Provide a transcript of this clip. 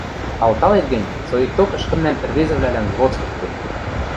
Алталет гӹнь, соикток ӹшкӹмнӓн ӹрвезӹвлӓлӓн лоцкыктем.